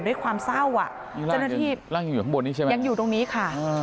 ด้วยความเศร้าอ่ะเจ้าหน้าที่นั่งยังอยู่ข้างบนนี้ใช่ไหมยังอยู่ตรงนี้ค่ะ